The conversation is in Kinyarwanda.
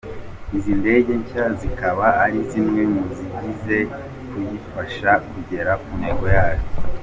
Izi ndege nshya zikaba ari zimwe muzije kuyifasha kugera ku ntego yayo.